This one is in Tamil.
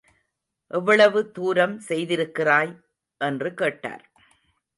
எவ்வளவு தூரம் செய்திருக்கிறாய்? என்று கேட்டார்.